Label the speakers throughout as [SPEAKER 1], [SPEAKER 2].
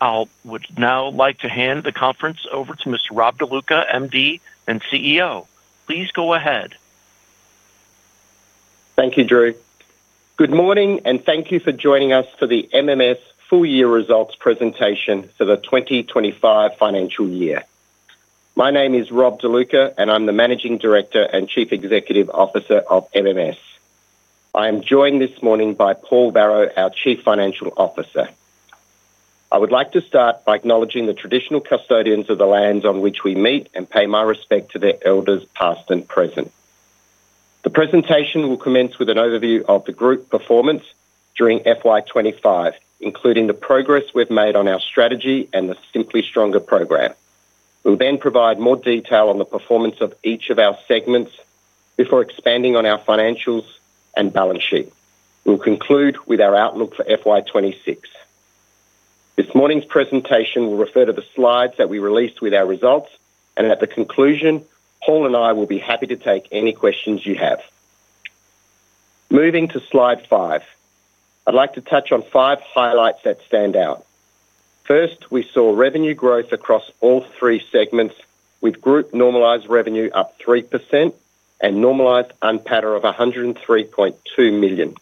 [SPEAKER 1] I would now like to hand the conference over to Mr. Rob De Luca, MD and CEO. Please go ahead.
[SPEAKER 2] Thank you, Drew. Good morning, and thank you for joining us for the MMS full-year results presentation for the 2025 financial year. My name is Rob De Luca, and I'm the Managing Director and Chief Executive Officer of MMS. I am joined this morning by Paul Varro, our Chief Financial Officer. I would like to start by acknowledging the traditional custodians of the lands on which we meet and pay my respect to their elders, past and present. The presentation will commence with an overview of the group performance during FY2025, including the progress we've made on our strategy and the Simply Stronger program. We'll then provide more detail on the performance of each of our segments before expanding on our financials and balance sheet. We'll conclude with our outlook for FY2026. This morning's presentation will refer to the slides that we released with our results, and at the conclusion, Paul and I will be happy to take any questions you have. Moving to slide five, I'd like to touch on five highlights that stand out. First, we saw revenue growth across all three segments, with group normalized revenue up 3% and normalized NPATA of $103.2 million.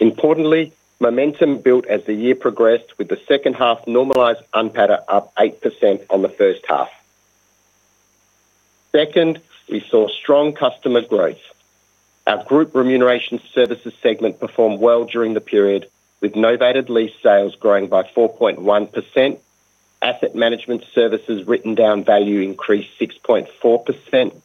[SPEAKER 2] Importantly, momentum built as the year progressed, with the second half normalized NPATA up 8% on the first half. Second, we saw strong customer growth. Our Group Remuneration Services segment performed well during the period, with novated lease sales growing by 4.1%, Asset Management Services written down value increased 6.4%,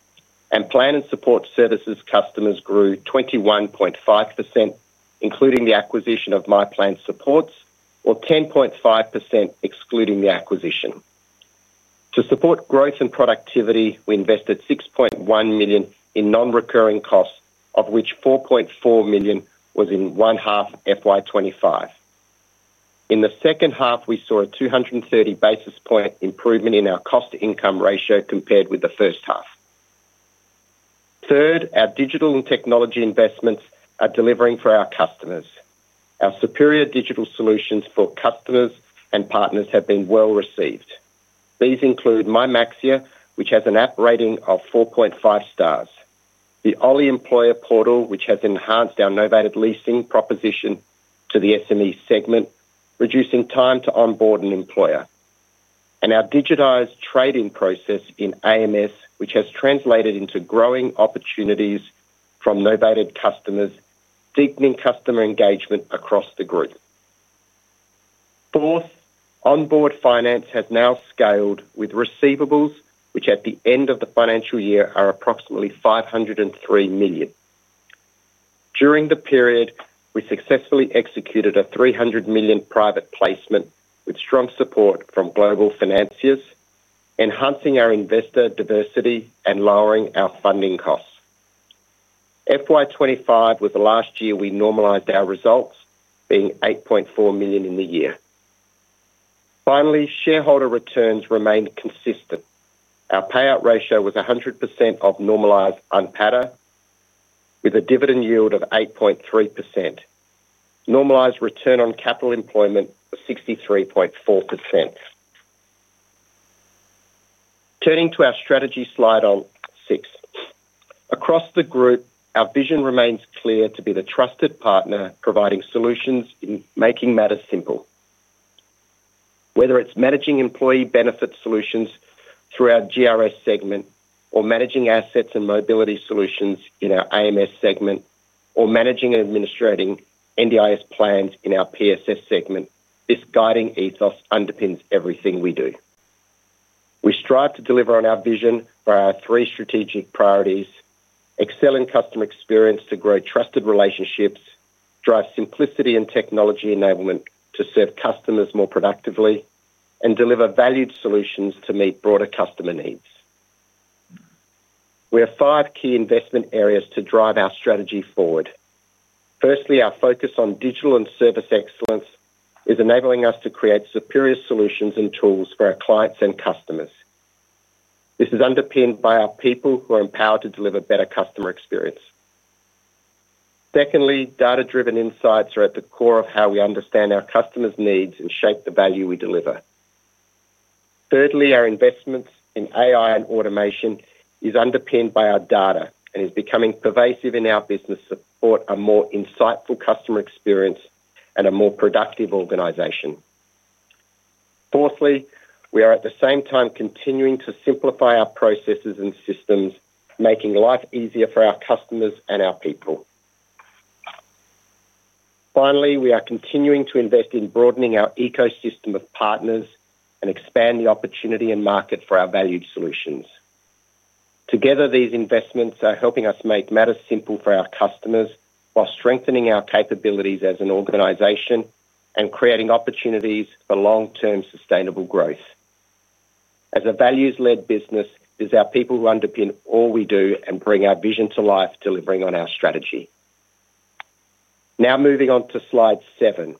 [SPEAKER 2] and Plan and Support Services customers grew 21.5%, including the acquisition of MyPlan Supports, or 10.5% excluding the acquisition. To support growth and productivity, we invested $6.1 million in non-recurring costs, of which $4.4 million was in one half of FY2025. In the second half, we saw a 230 basis point improvement in our cost-to-income ratio compared with the first half. Third, our digital and technology investments are delivering for our customers. Our superior digital solutions for customers and partners have been well received. These include My Maxxia, which has an app rating of 4.5 stars, the OLI employer portal, which has enhanced our novated leasing proposition to the SME segment, reducing time to onboard an employer, and our digitized trading process in AMS, which has translated into growing opportunities from novated customers, deepening customer engagement across the group. Fourth, Onboard Finance has now scaled with receivables, which at the end of the financial year are approximately $503 million. During the period, we successfully executed a $300 million private placement with strong support from global financiers, enhancing our investor diversity and lowering our funding costs. FY2024 was the last year we normalized our results, being $8.4 million in the year. Finally, shareholder returns remained consistent. Our payout ratio was 100% of normalized NPATA, with a dividend yield of 8.3%. Normalized return on capital employed was 63.4%. Turning to our strategy slide on six, across the group, our vision remains clear to be the trusted partner providing solutions in making matters simple. Whether it's managing employee benefit solutions through our GRS segment, or managing assets and mobility solutions in our AMS segment, or managing and administrating NDIS plans in our PSS segment, this guiding ethos underpins everything we do. We strive to deliver on our vision by our three strategic priorities: excellent customer experience to grow trusted relationships, drive simplicity and technology enablement to serve customers more productively, and deliver valued solutions to meet broader customer needs. We have five key investment areas to drive our strategy forward. Firstly, our focus on digital and service excellence is enabling us to create superior solutions and tools for our clients and customers. This is underpinned by our people who are empowered to deliver better customer experience. Secondly, data-driven insights are at the core of how we understand our customers' needs and shape the value we deliver. Thirdly, our investments in AI and automation are underpinned by our data and are becoming pervasive in our business to support a more insightful customer experience and a more productive organization. Fourthly, we are at the same time continuing to simplify our processes and systems, making life easier for our customers and our people. Finally, we are continuing to invest in broadening our ecosystem of partners and expand the opportunity and market for our valued solutions. Together, these investments are helping us make matters simple for our customers while strengthening our capabilities as an organization and creating opportunities for long-term sustainable growth. As a values-led business, it is our people who underpin all we do and bring our vision to life, delivering on our strategy. Now moving on to slide seven.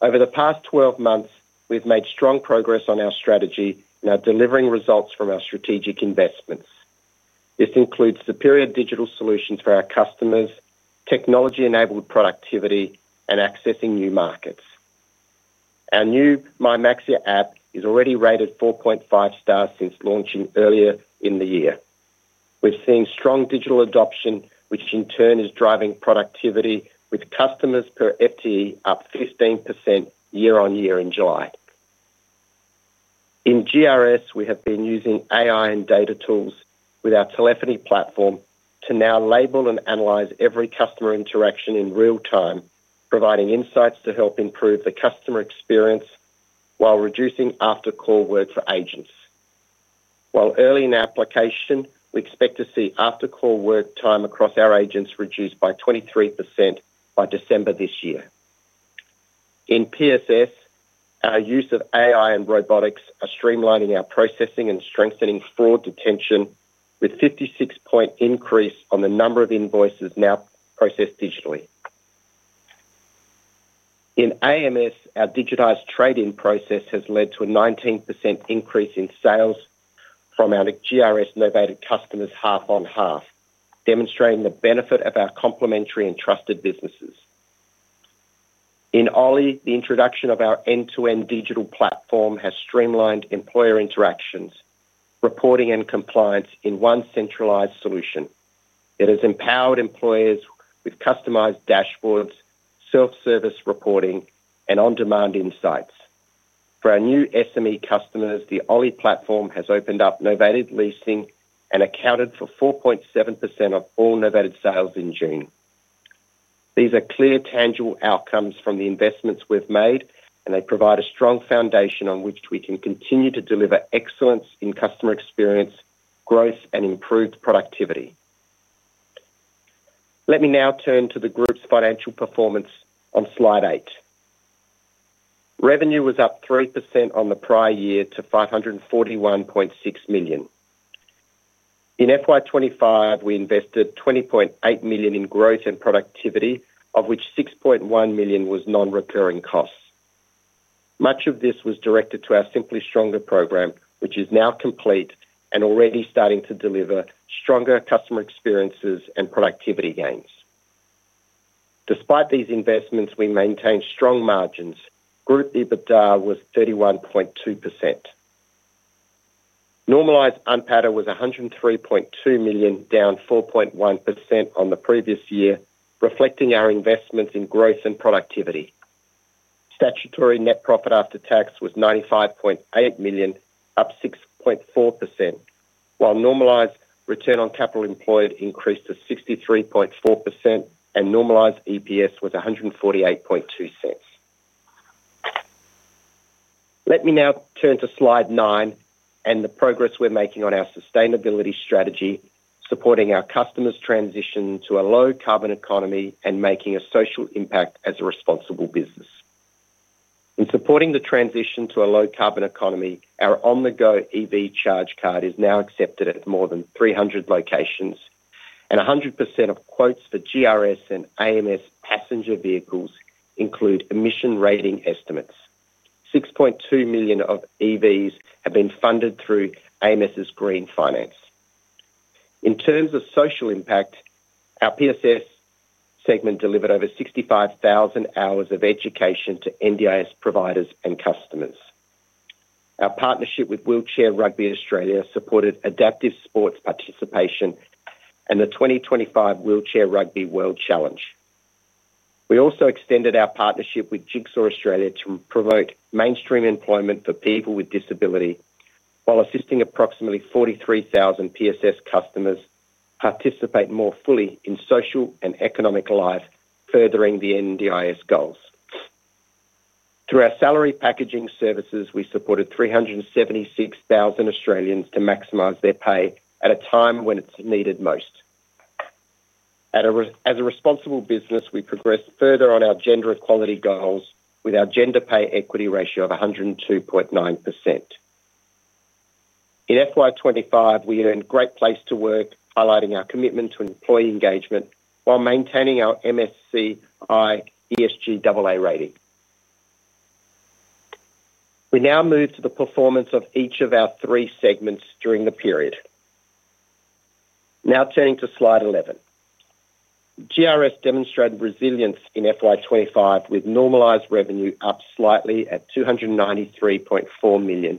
[SPEAKER 2] Over the past 12 months, we've made strong progress on our strategy and are delivering results from our strategic investments. This includes superior digital solutions for our customers, technology-enabled productivity, and accessing new markets. Our new My Maxxia app is already rated 4.5 stars since launching earlier in the year. We've seen strong digital adoption, which in turn is driving productivity, with customers per FTE up 15% year-on-year in July. In GRS, we have been using AI and data tools with our telephony platform to now label and analyze every customer interaction in real time, providing insights to help improve the customer experience while reducing after-call work for agents. While early in our application, we expect to see after-call work time across our agents reduced by 23% by December this year. In PSS, our use of AI and robotics is streamlining our processing and strengthening fraud detection, with a 56-point increase on the number of invoices now processed digitally. In AMS, our digitized trading process has led to a 19% increase in sales from our GRS novated customers half on half, demonstrating the benefit of our complementary and trusted businesses.In OLI, the introduction of our end-to-end digital platform has streamlined employer interactions, reporting, and compliance in one centralized solution that has empowered employers with customized dashboards, self-service reporting, and on-demand insights. For our new SME customers, the OLI platform has opened up novated leasing and accounted for 4.7% of all novated sales in June. These are clear, tangible outcomes from the investments we've made, and they provide a strong foundation on which we can continue to deliver excellence in customer experience, growth, and improved productivity. Let me now turn to the group's financial performance on slide eight. Revenue was up 3% on the prior year to $541.6 million. In FY2025, we invested $20.8 million in growth and productivity, of which $6.1 million was non-recurring costs. Much of this was directed to our Simply Stronger program, which is now complete and already starting to deliver stronger customer experiences and productivity gains. Despite these investments, we maintained strong margins. Group EBITDA was 31.2%. Normalized NPATA was $103.2 million, down 4.1% on the previous year, reflecting our investments in growth and productivity. Statutory net profit after tax was $95.8 million, up 6.4%, while normalized return on capital employed increased to 63.4%, and normalized EPS was $1.482. Let me now turn to slide nine and the progress we're making on our sustainability strategy, supporting our customers' transition to a low-carbon economy and making a social impact as a responsible business. In supporting the transition to a low-carbon economy, our on-the-go EV charge card is now accepted at more than 300 locations, and 100% of quotes for GRS and AMS passenger vehicles include emission rating estimates. $6.2 million of EVs have been funded through AMS's green finance. In terms of social impact, our PSS segment delivered over 65,000 hours of education to NDIS providers and customers. Our partnership with Wheelchair Rugby Australia supported adaptive sports participation and the 2025 Wheelchair Rugby World Challenge. We also extended our partnership with Jigsaw Australia to promote mainstream employment for people with disability, while assisting approximately 43,000 PSS customers to participate more fully in social and economic life, furthering the NDIS goals. Through our salary packaging services, we supported 376,000 Australians to maximize their pay at a time when it's needed most. As a responsible business, we progressed further on our gender equality goals with our gender pay equity ratio of 102.9%. In FY2025, we earned a Great Place to Work, highlighting our commitment to employee engagement while maintaining our MSCI ESG AA rating. We now move to the performance of each of our three segments during the period. Now turning to slide 11, GRS demonstrated resilience in FY2025 with normalized revenue up slightly at $293.4 million,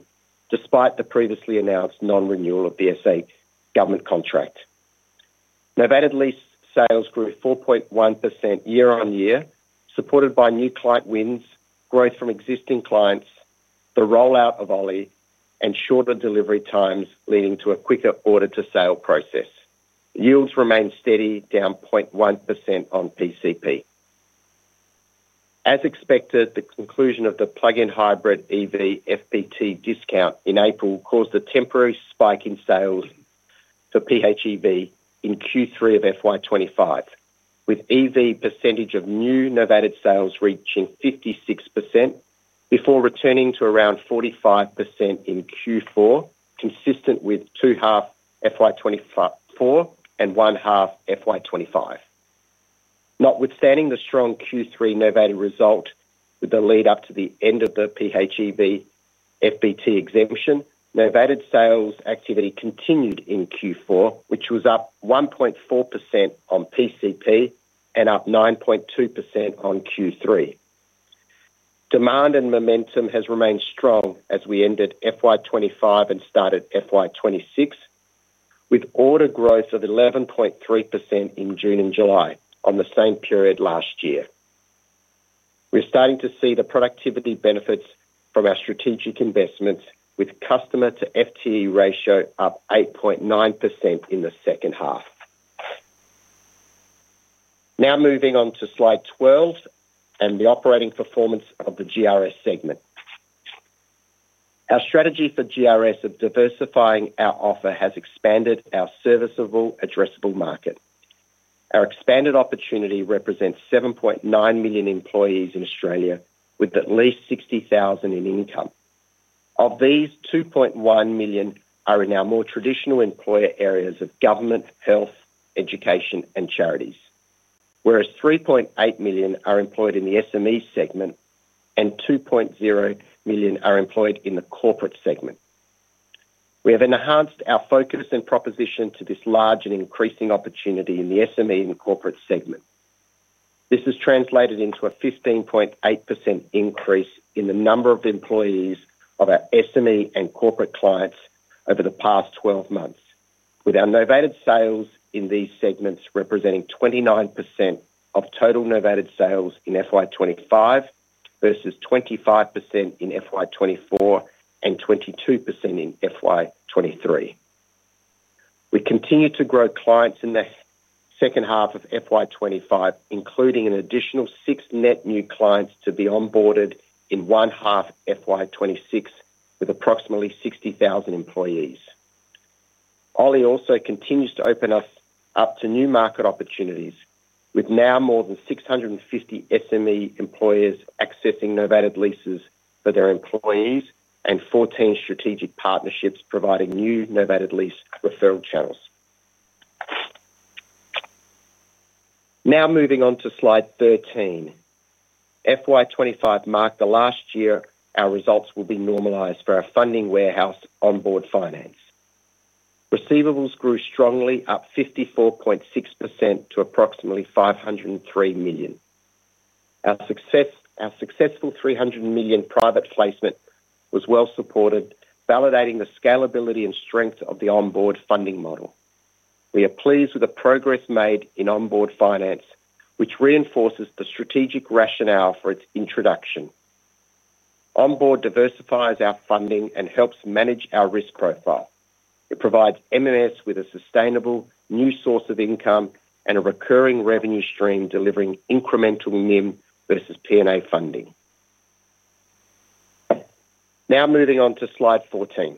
[SPEAKER 2] despite the previously announced non-renewal of the SA government contract. Novated lease sales grew 4.1% year-on-year, supported by new client wins, growth from existing clients, the rollout of OLI, and shorter delivery times, leading to a quicker order-to-sale process. Yields remained steady, down 0.1% on PCP. As expected, the conclusion of the plug-in hybrid EV FBT discount in April caused a temporary spike in sales for PHEV in Q3 of FY2025, with EV percentage of new novated sales reaching 56% before returning to around 45% in Q4, consistent with two half FY2024 and one half FY2025. Notwithstanding the strong Q3 novated result, with the lead up to the end of the PHEV FBT exemption, novated sales activity continued in Q4, which was up 1.4% on PCP and up 9.2% on Q3. Demand and momentum has remained strong as we ended FY2025 and started FY2026, with order growth of 11.3% in June and July on the same period last year. We're starting to see the productivity benefits from our strategic investments, with customer-to-FTE ratio up 8.9% in the second half. Now moving on to slide 12 and the operating performance of the GRS segment. Our strategy for GRS of diversifying our offer has expanded our serviceable, addressable market. Our expanded opportunity represents 7.9 million employees in Australia, with at least $60,000 in income. Of these, 2.1 million are in our more traditional employer areas of government, health, education, and charities, whereas 3.8 million are employed in the SME segment and 2.0 million are employed in the corporate segment. We have enhanced our focus and proposition to this large and increasing opportunity in the SME and corporate segment. This has translated into a 15.8% increase in the number of employees of our SME and corporate clients over the past 12 months, with our novated sales in these segments representing 29% of total novated sales in FY2025 versus 25% in FY2024 and 22% in FY2023. We continue to grow clients in the second half of FY2025, including an additional six net new clients to be onboarded in one half FY2026, with approximately 60,000 employees. OLI also continues to open us up to new market opportunities, with now more than 650 SME employers accessing novated leases for their employees and 14 strategic partnerships providing new novated lease referral channels. Now moving on to slide 13. FY2025 marked the last year our results will be normalized for our funding warehouse Onboard Finance. Receivables grew strongly, up 54.6% to approximately $503 million. Our successful $300 million private placement was well supported, validating the scalability and strength of the Onboard funding model. We are pleased with the progress made in Onboard Finance, which reinforces the strategic rationale for its introduction. Onboard diversifies our funding and helps manage our risk profile. It provides MMS with a sustainable new source of income and a recurring revenue stream, delivering incremental NIM versus P&A funding. Now moving on to slide 14.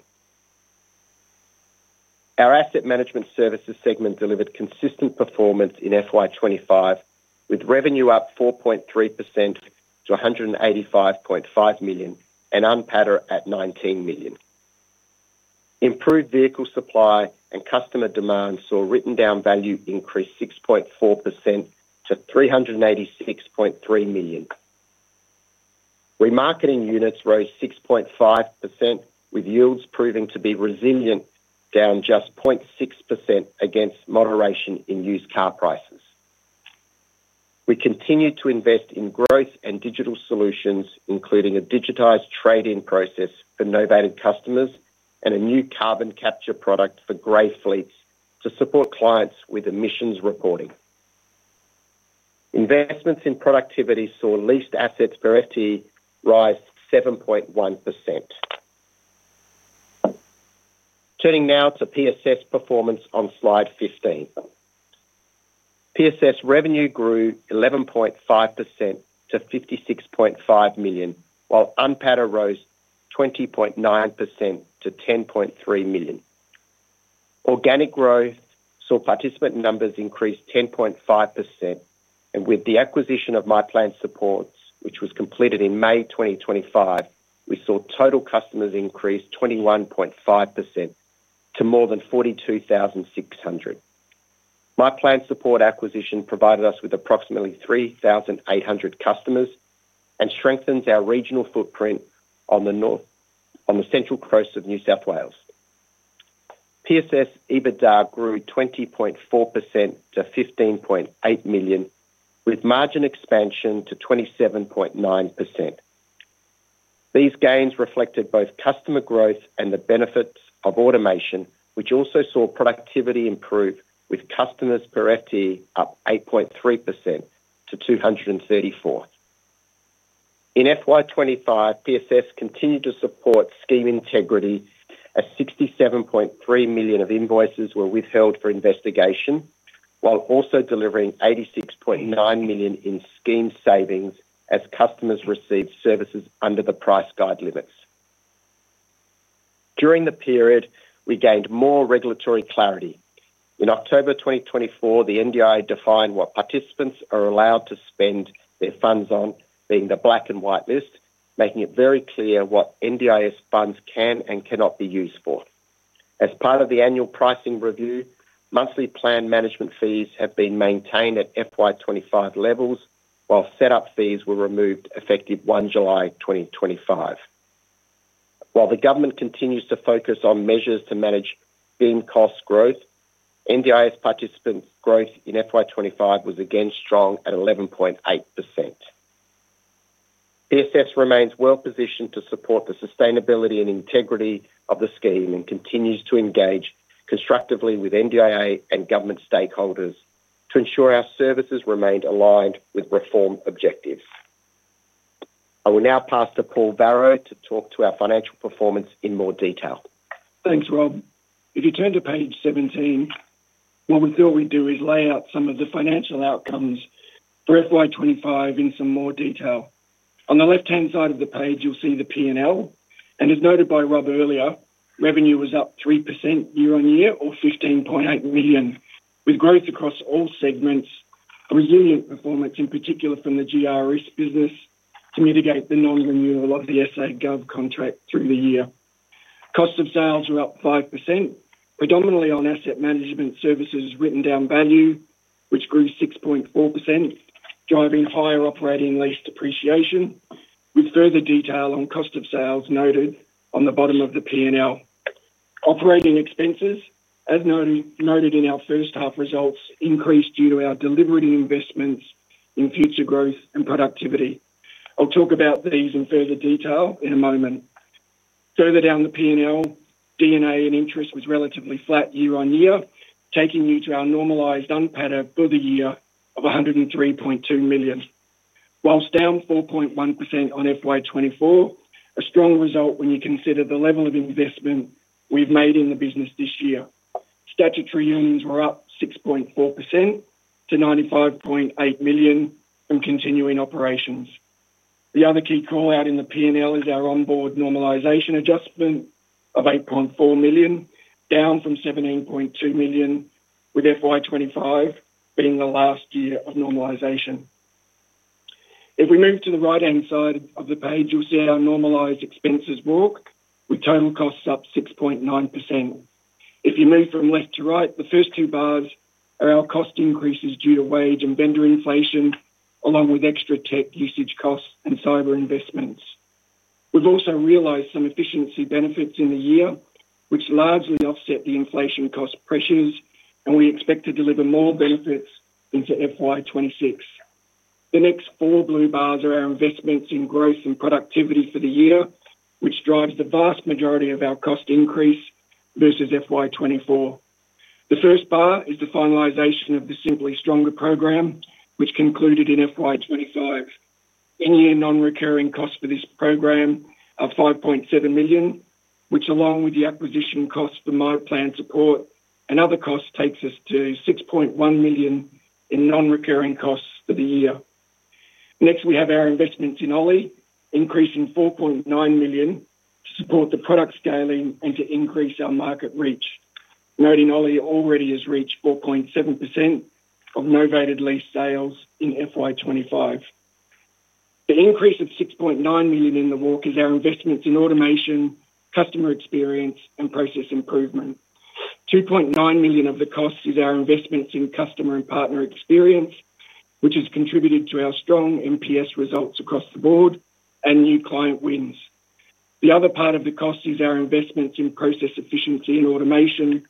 [SPEAKER 2] Our Asset Management Services segment delivered consistent performance in FY2025, with revenue up 4.3% to $185.5 million and NPATA at $19 million. Improved vehicle supply and customer demand saw written down value increase 6.4% to $386.3 million. Remarketing units rose 6.5%, with yields proving to be resilient, down just 0.6% against moderation in used car prices. We continue to invest in growth and digital solutions, including a digitized trade-in process for novated customers and a new carbon capture product for gray fleets to support clients with emissions reporting. Investments in productivity saw leased assets per FTE rise 7.1%. Turning now to PSS performance on slide 15. PSS revenue grew 11.5% to $56.5 million, while NPATA rose 20.9% to $10.3 million. Organic growth saw participant numbers increase 10.5%, and with the acquisition of MyPlan Supports, which was completed in May 2025, we saw total customers increase 21.5% to more than 42,600. The MyPlan Supports acquisition provided us with approximately 3,800 customers and strengthens our regional footprint on the Central Coast of New South Wales. PSS EBITDA grew 20.4% to $15.8 million, with margin expansion to 27.9%. These gains reflected both customer growth and the benefits of automation, which also saw productivity improve, with customers per FTE up 8.3% to 234. In FY2025, PSS continued to support scheme integrity, as $67.3 million of invoices were withheld for investigation, while also delivering $86.9 million in scheme savings as customers received services under the price guide limits. During the period, we gained more regulatory clarity. In October 2024, the NDIA defined what participants are allowed to spend their funds on, being the black and white list, making it very clear what NDIS funds can and cannot be used for. As part of the annual pricing review, monthly plan management fees have been maintained at FY2025 levels, while setup fees were removed effective 1 July 2025. While the government continues to focus on measures to manage NDIS cost growth, NDIS participants' growth in FY2025 was again strong at 11.8%. PSS remains well positioned to support the sustainability and integrity of the scheme and continues to engage constructively with NDIA and government stakeholders to ensure our services remained aligned with reform objectives. I will now pass to Paul Varro to talk to our financial performance in more detail.
[SPEAKER 3] Thanks, Rob.If you turn to page 17, what we thought we'd do is lay out some of the financial outcomes for FY2025 in some more detail. On the left-hand side of the page, you'll see the P&L, and as noted by Rob earlier, revenue was up 3% year-on-year, or $15.8 million, with growth across all segments, a resilient performance in particular from the GRS business to mitigate the non-renewal of the SA Gov contract through the year. Cost of sales were up 5%, predominantly on Asset Management Services' written down value, which grew 6.4%, driving higher operating lease depreciation, with further detail on cost of sales noted on the bottom of the P&L. Operating expenses, as noted in our first half results, increased due to our deliberative investments in future growth and productivity. I'll talk about these in further detail in a moment. Further down the P&L, D&A and interest was relatively flat year-on-year, taking you to our normalized NPATA for the year of $103.2 million. Whilst down 4.1% on FY2024, a strong result when you consider the level of investment we've made in the business this year. Statutory earnings were up 6.4% to $95.8 million from continuing operations. The other key callout in the P&L is our Onboard normalization adjustment of $8.4 million, down from $17.2 million, with FY2025 being the last year of normalization. If we move to the right-hand side of the page, you'll see our normalized expenses walk, with total costs up 6.9%. If you move from left to right, the first two bars are our cost increases due to wage and vendor inflation, along with extra tech usage costs and cyber investments. We've also realized some efficiency benefits in the year, which largely offset the inflation cost pressures, and we expect to deliver more benefits into FY2026. The next four blue bars are our investments in growth and productivity for the year, which drives the vast majority of our cost increase versus FY2024. The first bar is the finalization of the Simply Stronger program, which concluded in FY2025. Any non-recurring costs for this program are $5.7 million, which along with the acquisition costs for MyPlan Supports and other costs takes us to $6.1 million in non-recurring costs for the year. Next, we have our investments in OLI, increasing $4.9 million to support the product scaling and to increase our market reach, noting OLI already has reached 4.7% of novated lease sales in FY2025. The increase of $6.9 million in the walk is our investments in automation, customer experience, and process improvement. $2.9 million of the cost is our investments in customer and partner experience, which has contributed to our strong NPS results across the board and new client wins. The other part of the cost is our investments in process efficiency and automation.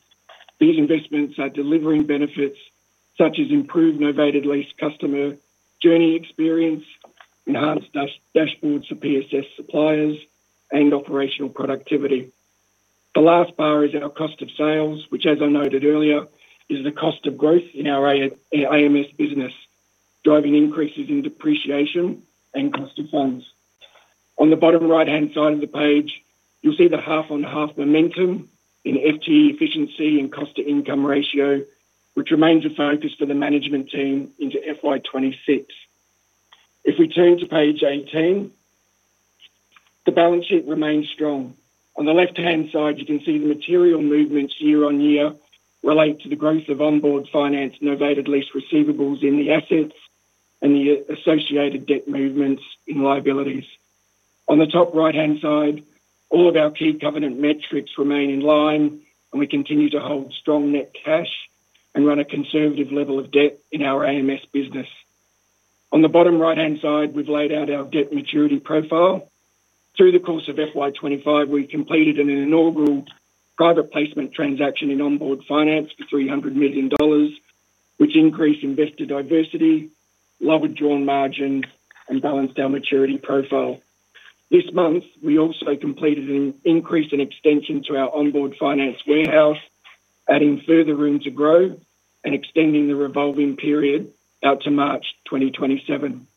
[SPEAKER 3] These investments are delivering benefits such as improved novated lease customer journey experience, enhanced dashboards for PSS suppliers, and operational productivity. The last bar is our cost of sales, which, as I noted earlier, is the cost of growth in our AMS business, driving increases in depreciation and cost of funds. On the bottom right-hand side of the page, you'll see the half-on-half momentum in FTE efficiency and cost-to-income ratio, which remains a focus for the management team into FY2026. If we turn to page 18, the balance sheet remains strong. On the left-hand side, you can see the material movements year-on-year relating to the growth of Onboard Finance, novated lease receivables in the assets, and the associated debt movements in liabilities. On the top right-hand side, all of our key covenant metrics remain in line, and we continue to hold strong net cash and run a conservative level of debt in our AMS business. On the bottom right-hand side, we've laid out our debt maturity profile. Through the course of FY2025, we completed an inaugural private placement transaction in Onboard Finance for $300 million, which increased investor diversity, lowered drawn margins, and balanced our maturity profile. This month, we also completed an increase in extension to our Onboard Finance warehouse, adding further room to grow and extending the revolving period out to March 2027.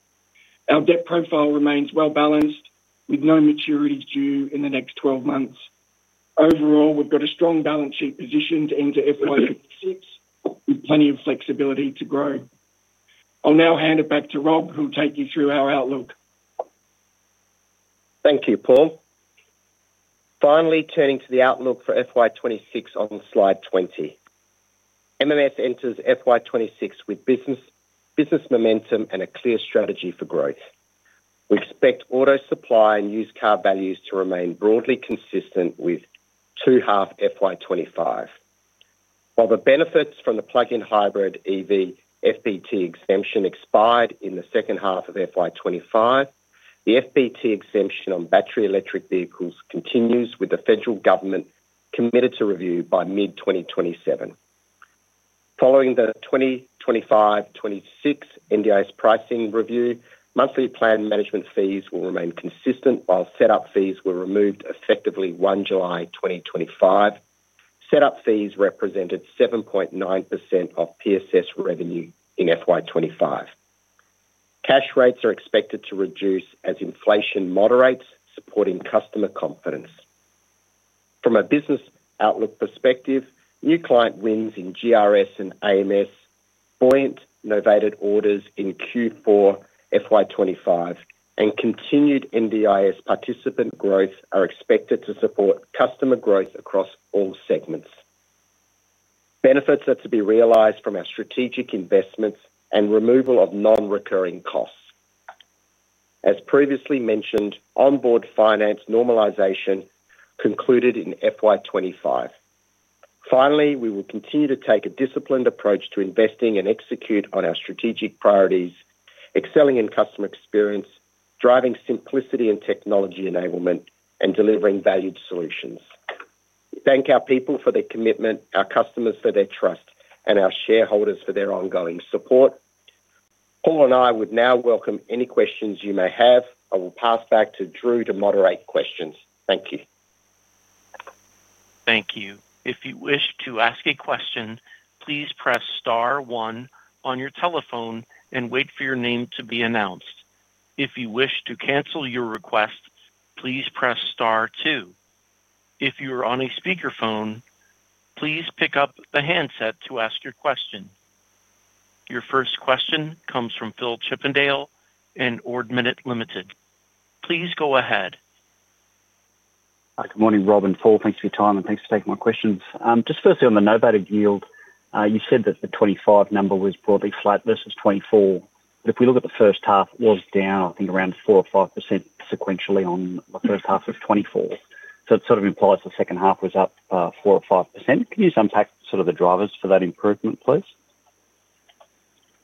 [SPEAKER 3] Our debt profile remains well balanced with no maturities due in the next 12 months. Overall, we've got a strong balance sheet position to enter FY2026, with plenty of flexibility to grow. I'll now hand it back to Rob, who'll take you through our outlook.
[SPEAKER 2] Thank you, Paul. Finally, turning to the outlook for FY2026 on slide 20, MMS enters FY2026 with business momentum and a clear strategy for growth. We expect auto supply and used car values to remain broadly consistent with second half FY2025. While the benefits from the plug-in hybrid EV FBT exemption expired in the second half of FY2025, the FBT exemption on battery electric vehicles continues with the federal government committed to review by mid-2027. Following the 2025-2026 NDIS pricing review, monthly plan management fees will remain consistent while setup fees were removed effective 1 July, 2025. Setup fees represented 7.9% of PSS revenue in FY2025. Cash rates are expected to reduce as inflation moderates, supporting customer confidence. From a business outlook perspective, new client wins in GRS and AMS, buoyant novated orders in Q4 FY2025, and continued NDIS participant growth are expected to support customer growth across all segments. Benefits are to be realized from our strategic investments and removal of non-recurring costs. As previously mentioned, Onboard Finance normalization concluded in FY2025. Finally, we will continue to take a disciplined approach to investing and execute on our strategic priorities, excelling in customer experience, driving simplicity and technology enablement, and delivering valued solutions. We thank our people for their commitment, our customers for their trust, and our shareholders for their ongoing support. Paul and I would now welcome any questions you may have. I will pass back to Drew to moderate questions. Thank you.
[SPEAKER 1] Thank you. If you wish to ask a question, please press star one on your telephone and wait for your name to be announced. If you wish to cancel your request, please press star two. If you are on a speakerphone, please pick up the handset to ask your question. Your first question comes from Phillip Chippindale and Ord Minnett. Please go ahead.
[SPEAKER 4] Hi, good morning, Rob and Paul. Thanks for your time and thanks for taking my questions. Just firstly, on the novated yield, you said that the 2025 number was broadly flat. This is 2024. If we look at the first half, it was down, I think, around 4% or 5% sequentially on the first half of 2024. It sort of implies the second half was up 4% or 5%. Can you just unpack sort of the drivers for that improvement, please?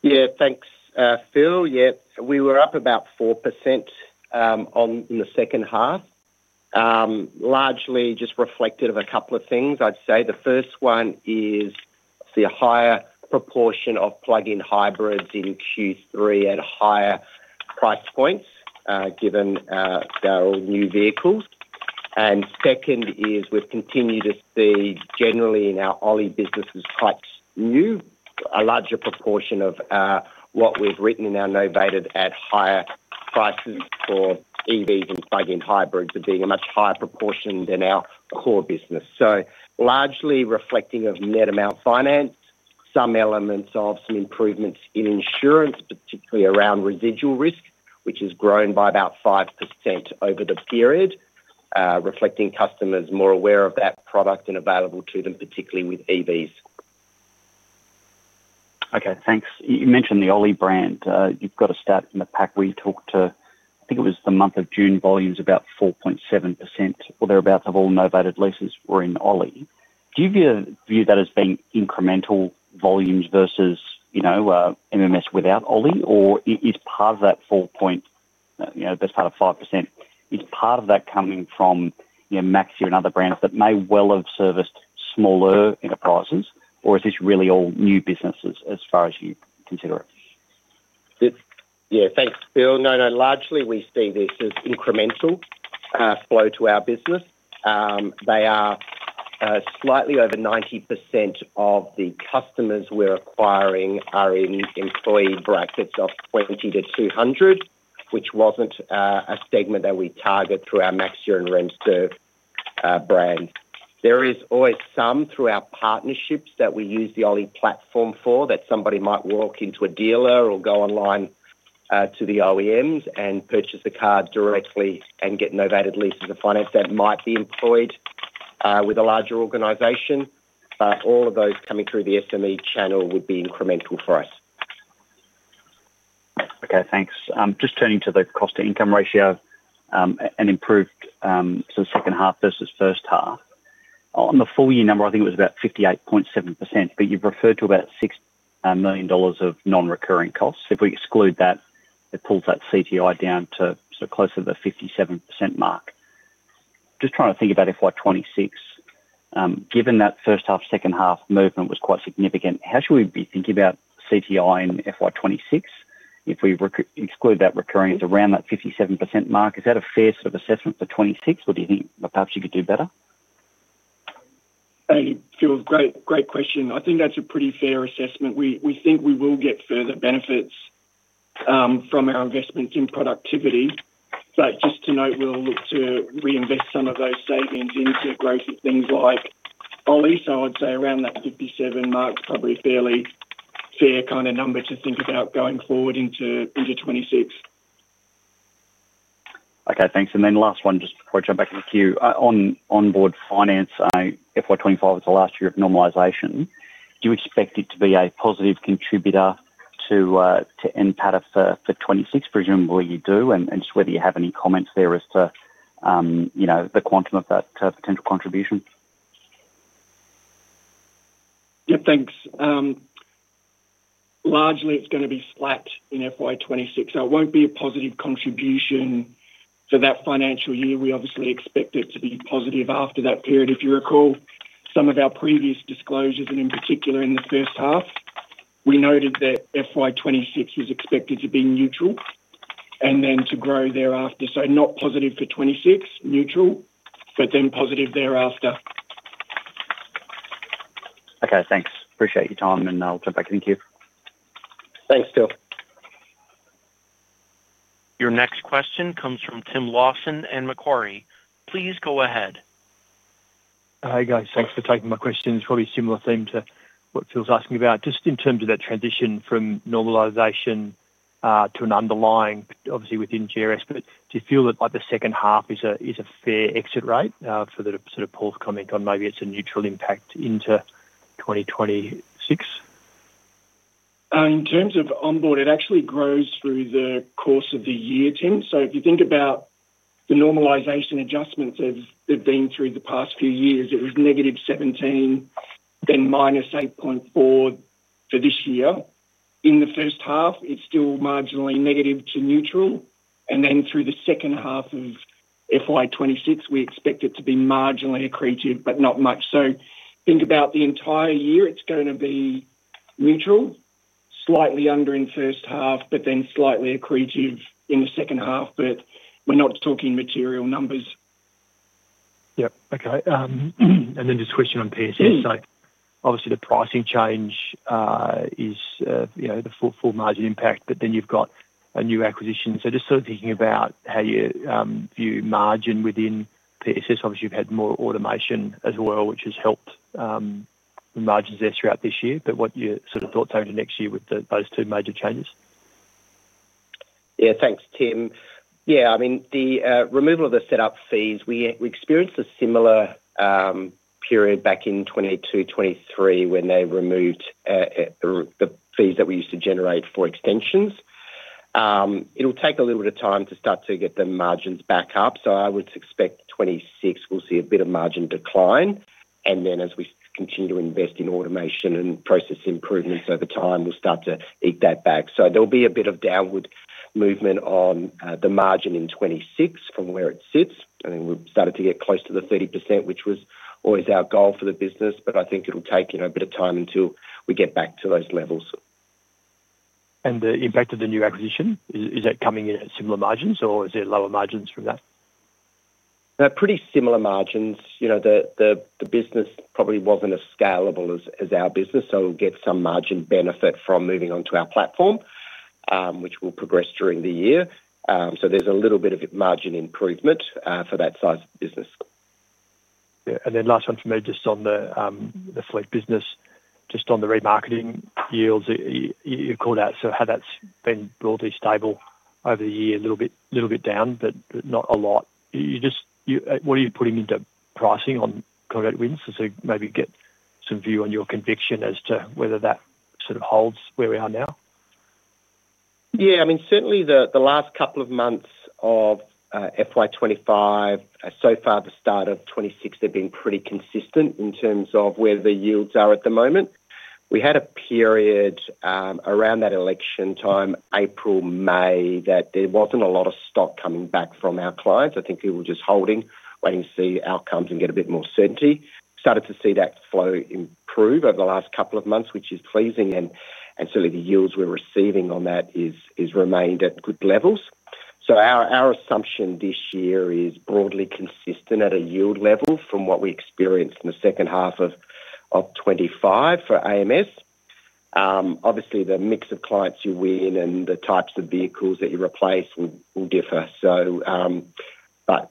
[SPEAKER 3] Yeah, thanks, Phil. We were up about 4% in the second half. Largely just reflected a couple of things. I'd say the first one is a higher proportion of plug-in hybrids in Q3 at higher price points, given they're all new vehicles. Second is, we've continued to see generally in our OLI businesses, quite new, a larger proportion of what we've written in our novated at higher prices for EVs and plug-in hybrids are being a much higher proportion than our core business. Largely reflecting net amount finance, some elements of some improvements in insurance, particularly around residual risk, which has grown by about 5% over the period, reflecting customers more aware of that product and available to them, particularly with EVs.
[SPEAKER 4] Okay, thanks. You mentioned the OLI brand. You've got a stat in the pack. We've talked to, I think it was the month of June, volumes about 4.7% or thereabouts of all novated leases were in OLI. Do you view that as being incremental volumes versus, you know, MMS without OLI, or is part of that 4.7%, you know, the best part of 5%, is part of that coming from, you know, Maxia and other brands that may well have serviced smaller enterprises, or is this really all new businesses as far as you consider it?
[SPEAKER 3] Yeah, thanks, Phil. No, largely we see this as incremental flow to our business. Slightly over 90% of the customers we're acquiring are in employee brackets of 20-200, which wasn't a segment that we target through our Maxxia and RemServ brand. There is always some through our partnerships that we use the OLI employer portal for, that somebody might walk into a dealer or go online to the OEMs and purchase the car directly and get novated leases or finance that might be employed with a larger organization. All of those coming through the SME channel would be incremental for us.
[SPEAKER 4] Okay, thanks. Just turning to the cost-to-income ratio, it improved in the second half versus the first half. On the full year number, I think it was about 58.7%, but you've referred to about $6 million of non-recurring costs. If we exclude that, it pulls that CTI down to sort of closer to the 57% mark. Just trying to think about FY2026, given that first half, second half movement was quite significant, how should we be thinking about CTI in FY2026 if we exclude that recurring is around that 57% mark? Is that a fair sort of assessment for 2026, or do you think perhaps you could do better?
[SPEAKER 3] Hey, Phil, great question. I think that's a pretty fair assessment. We think we will get further benefits from our investment in productivity. Just to note, we'll look to reinvest some of those savings into growth in things like OLI. I'd say around that 57 mark, probably a fairly fair kind of number to think about going forward into 2026.
[SPEAKER 4] Okay, thanks. Last one, just before I jump back in the queue, on Onboard Finance, FY2025 is the last year of normalization. Do you expect it to be a positive contributor to NPATA for 2026? Presumably, you do. Do you have any comments there as to the quantum of that potential contribution?
[SPEAKER 3] Yeah, thanks. Largely, it's going to be flat in FY2026. It won't be a positive contribution to that financial year. We obviously expect it to be positive after that period. If you recall some of our previous disclosures, and in particular in the first half, we noted that FY2026 was expected to be neutral and then to grow thereafter. Not positive for 2026, neutral, but then positive thereafter.
[SPEAKER 4] Okay, thanks. Appreciate your time, and I'll jump back. Thank you.
[SPEAKER 2] Thanks, Phil.
[SPEAKER 1] Your next question comes from Tim Lawson at Macquarie. Please go ahead.
[SPEAKER 5] Hey guys, thanks for taking my question. It's probably a similar theme to what Phil's asking about. Just in terms of that transition from normalization to an underlying, obviously within GRS, but do you feel that like the second half is a fair exit rate for the sort of Paul's comment on maybe it's a neutral impact into 2026?
[SPEAKER 3] In terms of Onboard Finance, it actually grows through the course of the year, Tim. If you think about the normalization adjustments that have been through the past few years, it was -17, then -8.4 for this year. In the first half, it's still marginally negative to neutral, and through the second half of FY2026, we expect it to be marginally accretive, but not much. If you think about the entire year, it's going to be neutral, slightly under in the first half, then slightly accretive in the second half. We're not talking material numbers.
[SPEAKER 5] Okay. Just a question on PSS. Obviously the pricing change is, you know, the full margin impact, but then you've got a new acquisition. Just sort of thinking about how you view margin within PSS. Obviously, you've had more automation as well, which has helped the margins there throughout this year. What are your sort of thoughts over the next year with those two major changes?
[SPEAKER 2] Yeah, thanks, Tim. Yeah, I mean, the removal of the setup fees, we experienced a similar period back in 2022-2023 when they removed the fees that we used to generate for extensions. It'll take a little bit of time to start to get the margins back up. I would suspect 2026 we'll see a bit of margin decline. As we continue to invest in automation and process improvements over time, we'll start to eat that back. There'll be a bit of downward movement on the margin in 2026 from where it sits. I think we've started to get close to the 30%, which was always our goal for the business. I think it'll take a bit of time until we get back to those levels.
[SPEAKER 5] You're back to the new acquisition. Is that coming in at similar margins, or is it lower margins from that?
[SPEAKER 3] Pretty similar margins. You know, the business probably wasn't as scalable as our business. We'll get some margin benefit from moving on to our platform, which will progress during the year. There's a little bit of margin improvement for that size of the business.
[SPEAKER 5] Yeah, and then last one from me, just on the fleet business, just on the remarketing yields you've called out. How that's been broadly stable over the year, a little bit down, but not a lot. What are you putting into pricing on current wins? Maybe get some view on your conviction as to whether that sort of holds where we are now.
[SPEAKER 3] Yeah, I mean, certainly the last couple of months of FY2025, so far the start of 2026, they've been pretty consistent in terms of where the yields are at the moment. We had a period around that election time, April, May, that there wasn't a lot of stock coming back from our clients. I think people were just holding, waiting to see outcomes and get a bit more certainty. Started to see that flow improve over the last couple of months, which is pleasing. The yields we're receiving on that have remained at good levels. Our assumption this year is broadly consistent at a yield level from what we experienced in the second half of 2025 for AMS. Obviously, the mix of clients you win and the types of vehicles that you replace will differ.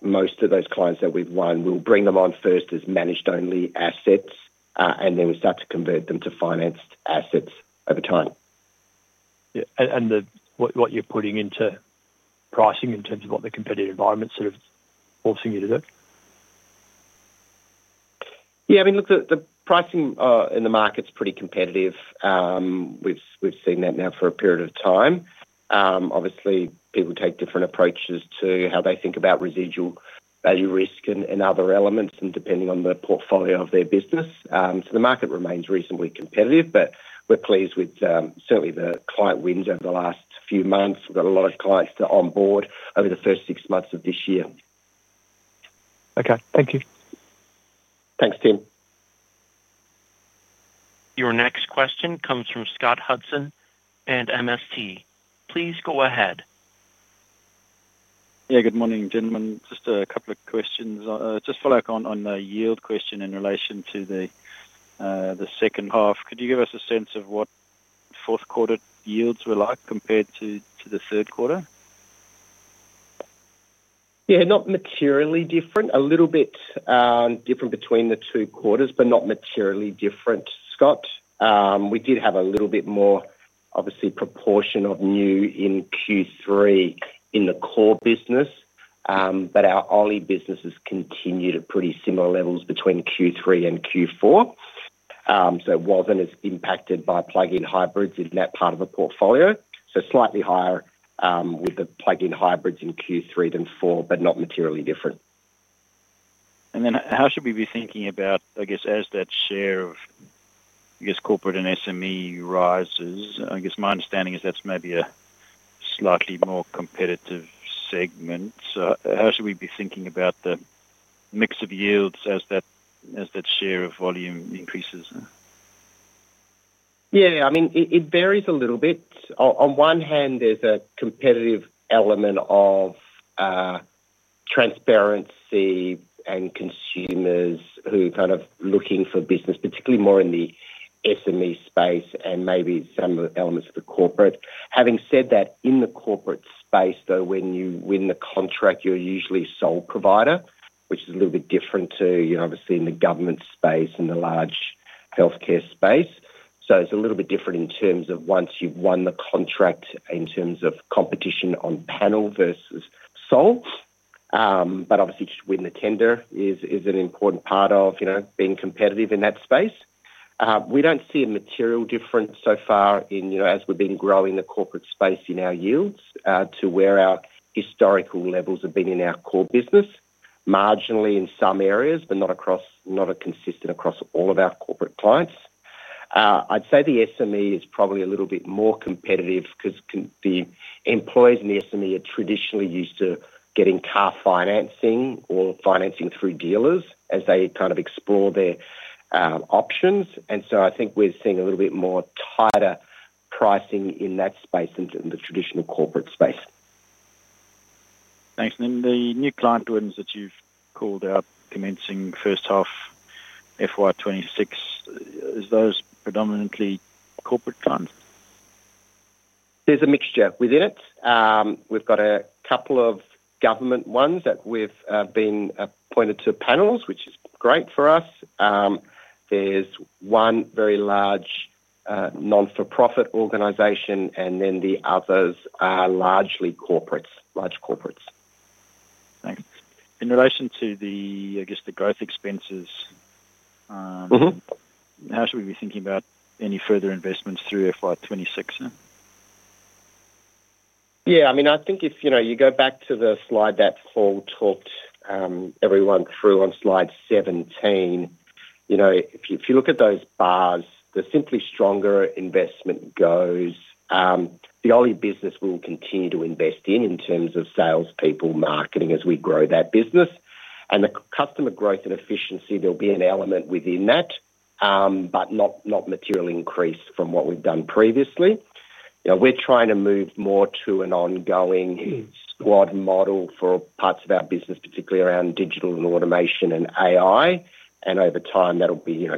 [SPEAKER 3] Most of those clients that we've won, we'll bring them on first as managed only assets, and then we start to convert them to financed assets over time.
[SPEAKER 5] Yeah, what you're putting into pricing in terms of what the competitive environment's sort of forcing you to do.
[SPEAKER 3] Yeah, I mean, look, the pricing in the market's pretty competitive. We've seen that now for a period of time. Obviously, people take different approaches to how they think about residual value risk and other elements, depending on the portfolio of their business. The market remains reasonably competitive, but we're pleased with certainly the client wins over the last few months. We've got a lot of clients to onboard over the first six months of this year.
[SPEAKER 5] Okay, thank you.
[SPEAKER 3] Thanks, Tim.
[SPEAKER 1] Your next question comes from Scott Hudson at MST. Please go ahead.
[SPEAKER 6] Good morning, gentlemen. Just a couple of questions. Just follow up on the yield question in relation to the second half. Could you give us a sense of what fourth quarter yields were like compared to the third quarter?
[SPEAKER 2] Yeah, not materially different. A little bit different between the two quarters, but not materially different, Scott. We did have a little bit more, obviously, proportion of new in Q3 in the core business, but our OLI employer portal businesses continue to pretty similar levels between Q3 and Q4. It wasn't as impacted by plug-in hybrids in that part of the portfolio. Slightly higher with the plug-in hybrids in Q3 than Q4, but not materially different.
[SPEAKER 6] How should we be thinking about, I guess, as that share of, I guess, corporate and SME rises? My understanding is that's maybe a slightly more competitive segment. How should we be thinking about the mix of yields as that share of volume increases?
[SPEAKER 2] Yeah, I mean, it varies a little bit. On one hand, there's a competitive element of transparency and consumers who are kind of looking for business, particularly more in the SME space and maybe some elements of the corporate. Having said that, in the corporate space, when you win the contract, you're usually a sole provider, which is a little bit different to, you know, obviously in the government space and the large healthcare space. It's a little bit different in terms of once you've won the contract in terms of competition on panel versus sole. Obviously, just win the tender is an important part of being competitive in that space. We don't see a material difference so far as we've been growing the corporate space in our yields to where our historical levels have been in our core business. Marginally in some areas, but not a consistent across all of our corporate clients. I'd say the SME is probably a little bit more competitive because the employees in the SME are traditionally used to getting car financing or financing through dealers as they kind of explore their options. I think we're seeing a little bit more tighter pricing in that space than the traditional corporate space.
[SPEAKER 6] Thanks. The new client wins that you've called out commencing first half FY2026, are those predominantly corporate clients?
[SPEAKER 2] There's a mixture within it. We've got a couple of government ones that we've been appointed to panels, which is great for us. There's one very large not-for-profit organization, and then the others are largely corporates, large corporates.
[SPEAKER 6] Thanks. In relation to the growth expenses, how should we be thinking about any further investments through FY2026?
[SPEAKER 2] Yeah, I mean, I think if you go back to the slide that Paul Varro talked everyone through on slide 17, you know, if you look at those bars, the Simply Stronger investment goes, the OLI employer portal business we'll continue to invest in in terms of salespeople, marketing as we grow that business. The customer growth and efficiency, there'll be an element within that, but not material increase from what we've done previously. We're trying to move more to an ongoing squad model for parts of our business, particularly around digital and automation and AI. Over time, that'll be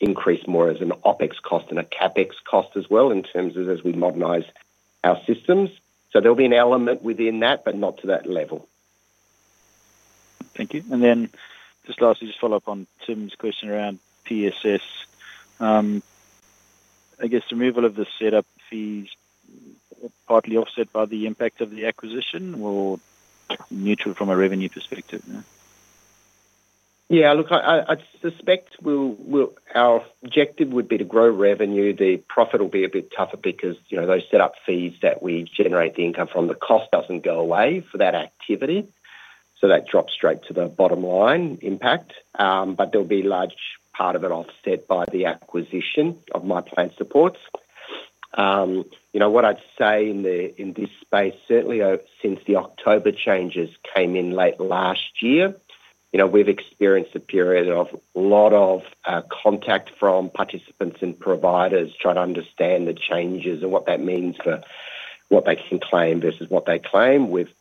[SPEAKER 2] increased more as an OpEx cost and a CapEx cost as well as we modernize our systems. There'll be an element within that, but not to that level.
[SPEAKER 6] Thank you. Just lastly, a follow-up on Tim's question around PSS. I guess removal of the setup fees is partly offset by the impact of the acquisition or neutral from a revenue perspective?
[SPEAKER 2] Yeah, look, I suspect our objective would be to grow revenue. The profit will be a bit tougher because, you know, those setup fees that we generate the income from, the cost doesn't go away for that activity. That drops straight to the bottom line impact. There'll be a large part of it offset by the acquisition of MyPlan Supports. What I'd say in this space, certainly since the October changes came in late last year, we've experienced a period of a lot of contact from participants and providers trying to understand the changes and what that means for what they can claim versus what they claim. We've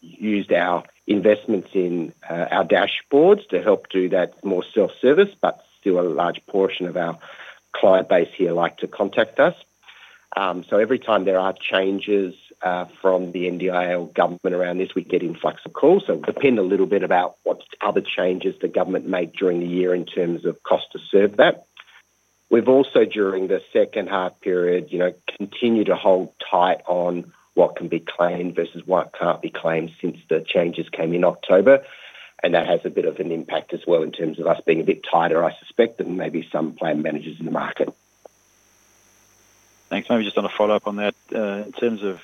[SPEAKER 2] used our investments in our dashboards to help do that more self-service, but still a large portion of our client base here like to contact us. Every time there are changes from the NDIA or government around this, we get influx of calls. It'll depend a little bit about what other changes the government made during the year in terms of cost to serve that. We've also, during the second half period, continued to hold tight on what can be claimed versus what can't be claimed since the changes came in October. That has a bit of an impact as well in terms of us being a bit tighter, I suspect, than maybe some plan managers in the market.
[SPEAKER 6] Thanks. Maybe just on a follow-up on that, in terms of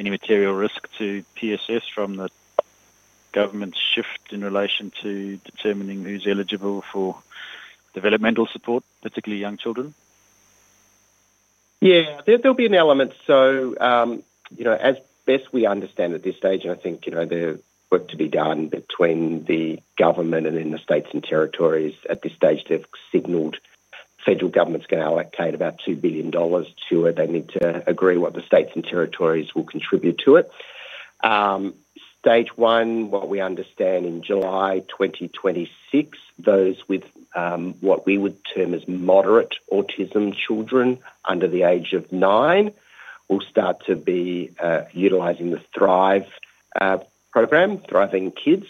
[SPEAKER 6] any material risk to PSS from the government's shift in relation to determining who's eligible for developmental support, particularly young children?
[SPEAKER 2] Yeah, there'll be an element. As best we understand at this stage, and I think there's work to be done between the government and the states and territories at this stage, they have signaled the federal government's going to allocate about $2 billion to it. They need to agree what the states and territories will contribute to it. Stage one, what we understand in July 2026, those with what we would term as moderate autism, children under the age of nine, will start to be utilizing the Thrive program, Thriving Kids.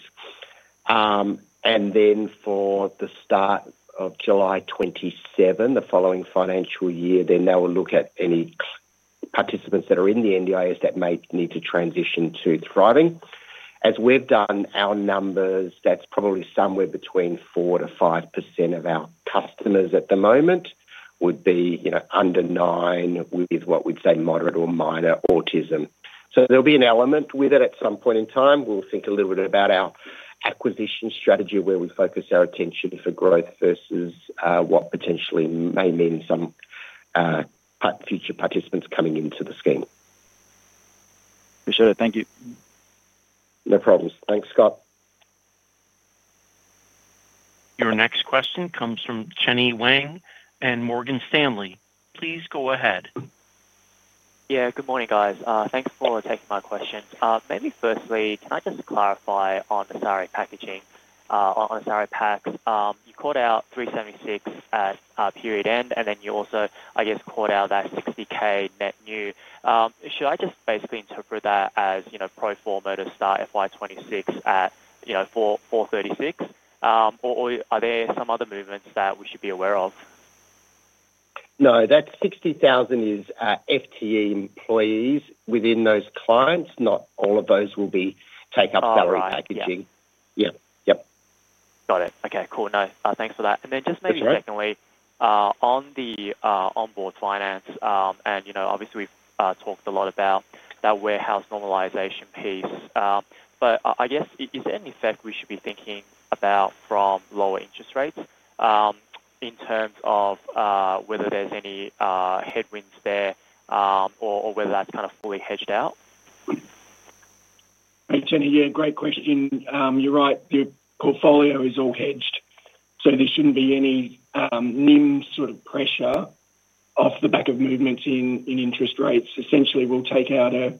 [SPEAKER 2] For the start of July 2027, the following financial year, they will look at any participants that are in the NDIS that may need to transition to Thriving. As we've done our numbers, that's probably somewhere between 4%-5% of our customers at the moment would be under nine with what we'd say moderate or minor autism. There'll be an element with it at some point in time. We'll think a little bit about our acquisition strategy, where we focus our attention for growth versus what potentially may mean some future participants coming into the scheme.
[SPEAKER 6] For sure. Thank you.
[SPEAKER 3] No problems. Thanks, Scott.
[SPEAKER 1] Your next question comes from Chenny Wang and Morgan Stanley. Please go ahead.
[SPEAKER 7] Yeah, good morning, guys. Thanks for taking my questions. Maybe firstly, can I just clarify on the thorough packaging, on thorough packs? You called out 376,000 at period end, and then you also, I guess, called out that 60,000 net new. Should I just basically interpret that as, you know, pro forma to start FY2026 at, you know, 436,000? Or are there some other movements that we should be aware of?
[SPEAKER 2] No, that 60,000 is FTE employees within those clients. Not all of those will take up salary packaging.
[SPEAKER 7] Yeah, yep. Got it. Okay, cool. No, thanks for that. Just maybe secondly, on the Onboard Finance, you know, obviously we've talked a lot about that warehouse normalization piece. I guess is there any effect we should be thinking about from lower interest rates in terms of whether there's any headwinds there or whether that's kind of fully hedged out?
[SPEAKER 3] Thanks, Chenny. Yeah, great question. You're right. The portfolio is all hedged. There shouldn't be any NIM sort of pressure off the back of movements in interest rates. Essentially, we'll take out a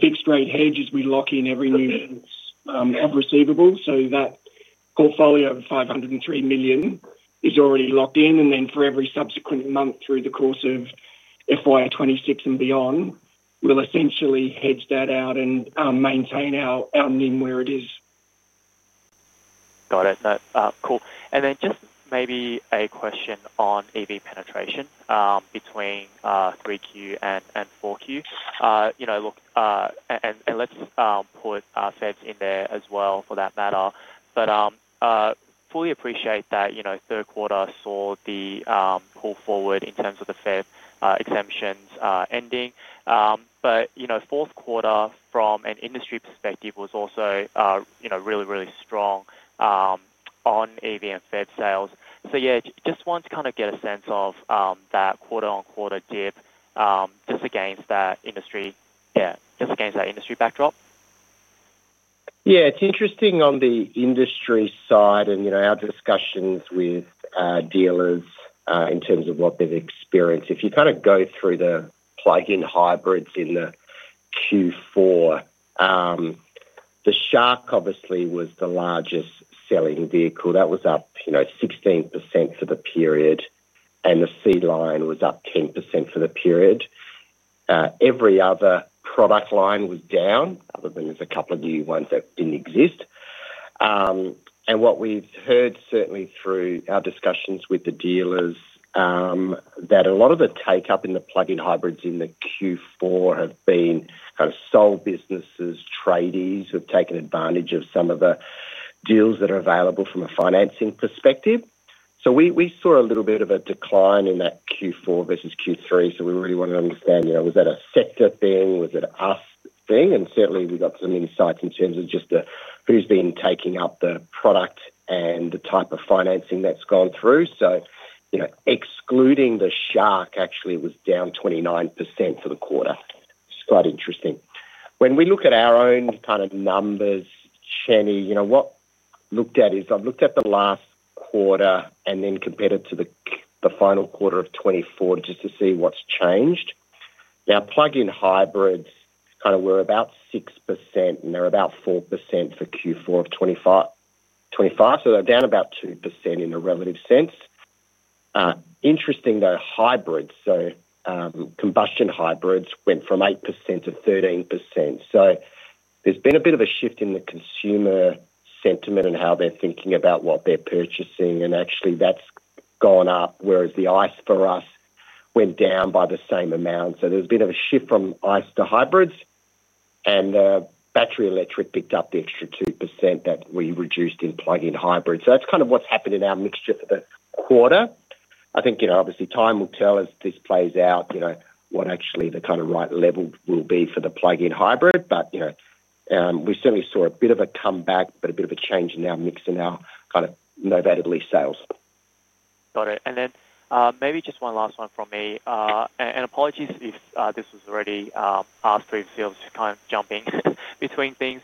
[SPEAKER 3] fixed-rate hedge as we lock in every new receivable. That portfolio of $503 million is already locked in. For every subsequent month through the course of FY2026 and beyond, we'll essentially hedge that out and maintain our NIM where it is.
[SPEAKER 7] Got it. No, cool. Maybe a question on EV penetration between 3Q and 4Q. Let's put FEVs in there as well for that matter. I fully appreciate that third quarter saw the pull forward in terms of the FEV exemptions ending. Fourth quarter from an industry perspective was also really, really strong on EV and FEV sales. I just want to kind of get a sense of that quarter-on-quarter dip just against that industry backdrop.
[SPEAKER 3] Yeah, it's interesting on the industry side and, you know, our discussions with dealers in terms of what they've experienced. If you kind of go through the plug-in hybrids in the Q4, the Shark obviously was the largest selling vehicle. That was up, you know, 16% for the period. And the Sea Line was up 10% for the period. Every other product line was down, other than there's a couple of new ones that didn't exist. What we've heard certainly through our discussions with the dealers is that a lot of the take-up in the plug-in hybrids in the Q4 has been kind of sole businesses, tradies who have taken advantage of some of the deals that are available from a financing perspective. We saw a little bit of a decline in that Q4 versus Q3. We really wanted to understand, you know, was that a sector thing? Was it an us thing? Certainly we've got some insights in terms of just who's been taking up the product and the type of financing that's gone through. Excluding the Shark, actually, it was down 29% for the quarter. It's quite interesting. When we look at our own kind of numbers, Chenny, what I've looked at is I've looked at the last quarter and then compared it to the final quarter of 2024 just to see what's changed. Now, plug-in hybrids kind of were about 6% and they're about 4% for Q4 of 2025. They're down about 2% in a relative sense. Interesting though, hybrids, so combustion hybrids went from 8% to 13%. There's been a bit of a shift in the consumer sentiment and how they're thinking about what they're purchasing. Actually, that's gone up where the ICE for us went down by the same amount. There's been a bit of a shift from ICE to hybrids. The battery electric picked up the extra 2% that we reduced in plug-in hybrids. That's kind of what's happened in our mixture for the quarter. Obviously, time will tell as this plays out, you know, what actually the kind of right level will be for the plug-in hybrid. We certainly saw a bit of a comeback, but a bit of a change in our mix and our kind of novated lease sales.
[SPEAKER 7] Got it. Maybe just one last one from me. Apologies if this was already asked for you to kind of jump in between things.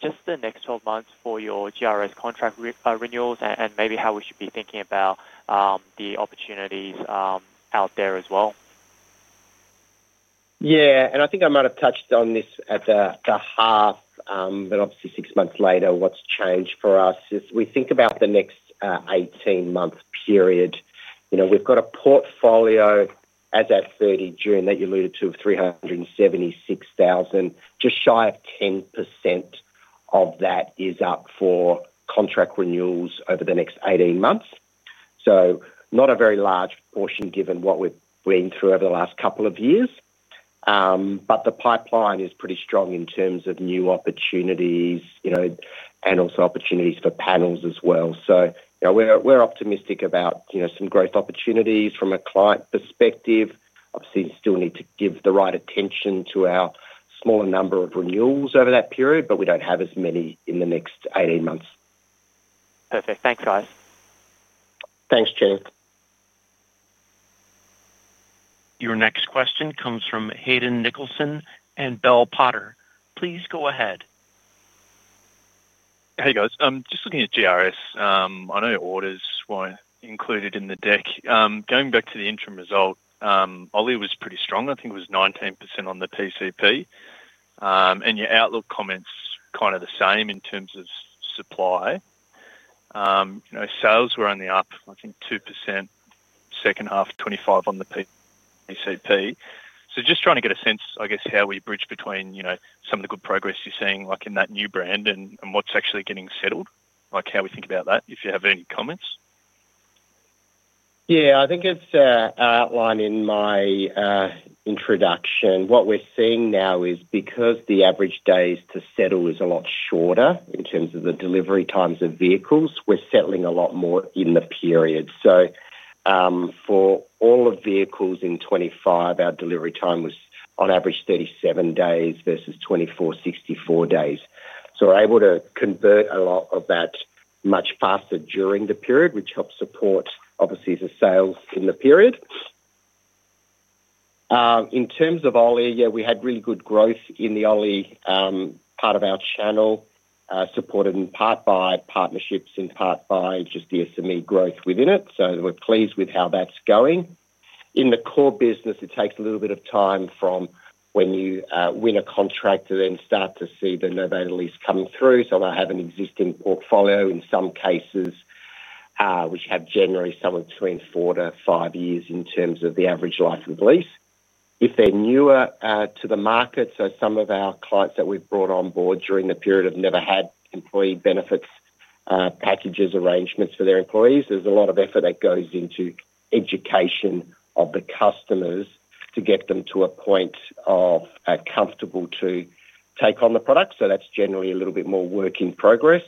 [SPEAKER 7] Just the next 12 months for your GRS contract renewals and maybe how we should be thinking about the opportunities out there as well.
[SPEAKER 3] Yeah, I think I might have touched on this at the half, but obviously six months later, what's changed for us is we think about the next 18-month period. We've got a portfolio as at 30 June that you alluded to of 376,000. Just shy of 10% of that is up for contract renewals over the next 18 months. Not a very large portion given what we've been through over the last couple of years. The pipeline is pretty strong in terms of new opportunities and also opportunities for panels as well. We're optimistic about some growth opportunities from a client perspective. Obviously, we still need to give the right attention to our smaller number of renewals over that period, but we don't have as many in the next 18 months.
[SPEAKER 7] Perfect. Thanks, guys.
[SPEAKER 3] Thanks, Chenny.
[SPEAKER 1] Your next question comes from Hayden Nicholson and Bell Potter. Please go ahead.
[SPEAKER 8] Hey guys, just looking at GRS, I know orders weren't included in the deck. Going back to the interim result, OLI was pretty strong. I think it was 19% on the PCP. Your outlook comments are kind of the same in terms of supply. Sales were on the up, I think 2% second half, 25% on the PCP. Just trying to get a sense, I guess, how we bridge between some of the good progress you're seeing like in that new brand and what's actually getting settled, like how we think about that, if you have any comments.
[SPEAKER 3] Yeah, I think as I outlined in my introduction, what we're seeing now is because the average days to settle is a lot shorter in terms of the delivery times of vehicles, we're settling a lot more in the period. For all of vehicles in 2025, our delivery time was on average 37 days versus 24 days, 64 days. We're able to convert a lot of that much faster during the period, which helps support obviously the sales in the period. In terms of OLI, we had really good growth in the OLI part of our channel, supported in part by partnerships, in part by just the SME growth within it. We're pleased with how that's going. In the core business, it takes a little bit of time from when you win a contract to then start to see the novated lease come through. I have an existing portfolio in some cases, which have generally somewhere between four to five years in terms of the average life of the lease. If they're newer to the market, some of our clients that we've brought on board during the period have never had employee benefits packages arrangements for their employees. There's a lot of effort that goes into education of the customers to get them to a point of comfortable to take on the product. That's generally a little bit more work in progress.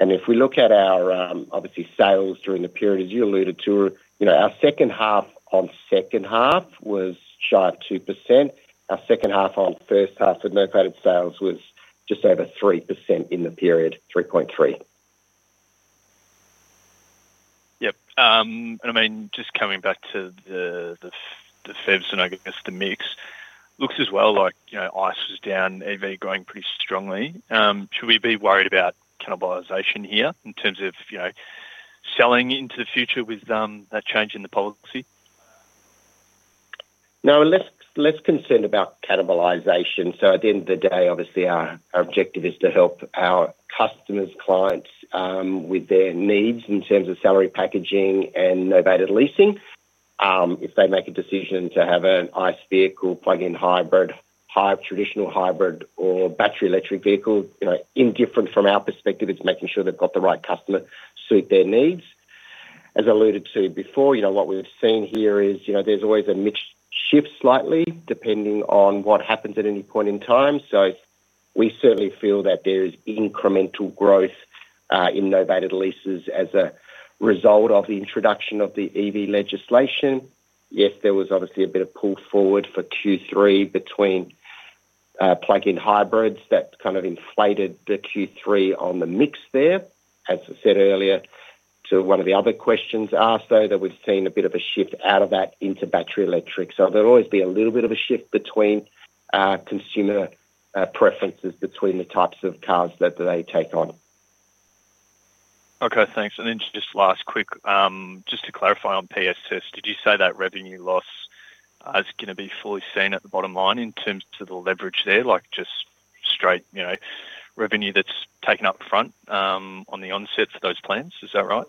[SPEAKER 3] If we look at our sales during the period, as you alluded to, our second half on second half was shy of 2%. Our second half on first half for novated sales was just over 3% in the period, 3.3%.
[SPEAKER 8] Yep. Just coming back to the FEVs and I guess the mix, looks as well like, you know, ICE was down, EV going pretty strongly. Should we be worried about cannibalization here in terms of, you know, selling into the future with that change in the policy?
[SPEAKER 3] No, I'm less concerned about cannibalization. At the end of the day, obviously our objective is to help our customers, clients with their needs in terms of salary packaging and novated leasing. If they make a decision to have an ICE vehicle, plug-in hybrid, traditional hybrid, or battery electric vehicle, indifferent from our perspective, it's making sure they've got the right customer to suit their needs. As I alluded to before, what we've seen here is there's always a mixed shift slightly depending on what happens at any point in time. We certainly feel that there is incremental growth in novated leases as a result of the introduction of the EV legislation. Yes, there was obviously a bit of pull forward for Q3 between plug-in hybrids that kind of inflated the Q3 on the mix there. As I said earlier to one of the other questions asked, we've seen a bit of a shift out of that into battery electric. There'll always be a little bit of a shift between consumer preferences between the types of cars that they take on.
[SPEAKER 8] Okay, thanks. Just last quick, just to clarify on PSS, did you say that revenue loss is going to be fully seen at the bottom line in terms of the leverage there, like just straight, you know, revenue that's taken up front on the onset for those plans? Is that right?